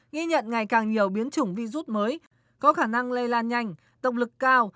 ghi nhận ngày càng nhiều biến chủng virus mới có khả năng lây lan nhanh động lực cao